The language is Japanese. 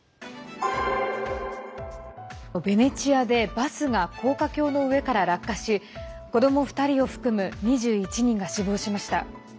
ベネチアでバスが高架橋から落下し子ども２人を含む２１人が死亡しました。